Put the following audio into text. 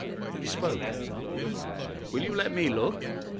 He spoke. 'Will you let me look?